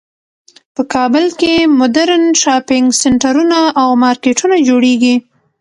په کابل کې مدرن شاپینګ سینټرونه او مارکیټونه جوړیږی